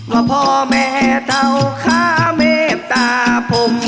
ว่าพ่อแม่เต่าข้าเมตตาผม